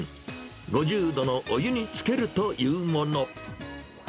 ５０度のお湯につけるというもの。